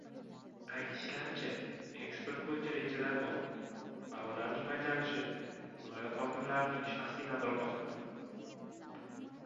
Aytilishicha, eksport bo'yicha rejalar bor va ularning bajarilishi viloyat hokimlarining shaxsiy nazorati ostida